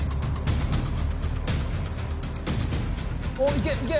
おっいけいけ